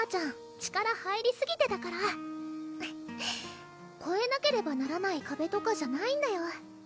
力入りすぎてたからこえなければならない壁とかじゃないんだよ